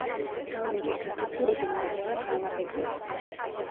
ცალმაგი სათოფურები მაღლაა განლაგებული.